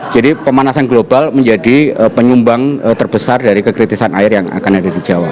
jadi pemanasan global menjadi penyumbang terbesar dari kekritisan air yang akan ada di jawa